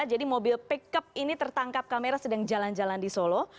mobil pickup ini tertangkap kamera sedang jalan jalan di solo